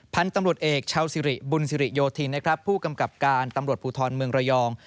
พันธุ์ตำรวจเอกชาวสิริบุญสิริโยธินนะครับผู้กำกับการตำรวจภูทรเมืองระยอง